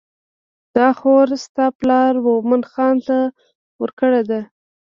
دا خور ستا پلار مومن خان ته ورکړې ده.